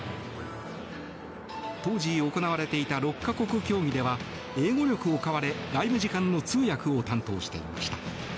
当時行われていた６か国協議では英語力を買われ外務次官の通訳を担当していました。